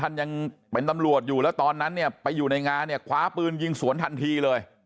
ยังเป็นตำรวจอยู่แล้วตอนนั้นเนี่ยไปอยู่ในงานเนี่ยคว้าปืนยิงสวนทันทีเลย